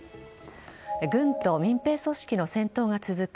軍と民兵組織の戦闘が続く